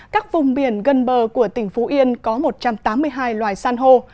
các vùng biển gần bờ của tỉnh phú yên có một trăm tám mươi hai loài san hô